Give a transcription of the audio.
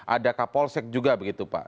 ada kapolsek juga begitu pak